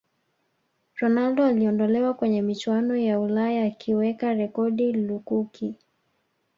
ronaldo aliondolewa kwenye michuano ya ulaya akiweka rekodi lukuki